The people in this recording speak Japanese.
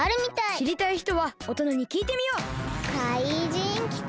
しりたいひとはおとなにきいてみよう！かいじんきた！